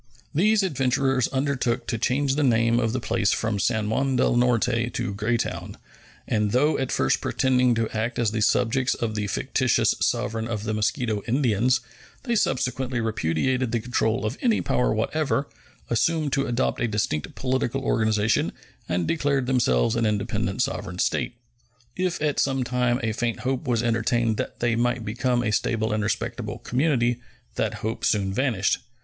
These adventurers undertook to change the name of the place from San Juan del Norte to Greytown, and though at first pretending to act as the subjects of the fictitious sovereign of the Mosquito Indians, they subsequently repudiated the control of any power whatever, assumed to adopt a distinct political organization, and declared themselves an independent sovereign state. If at some time a faint hope was entertained that they might become a stable and respectable community, that hope soon vanished.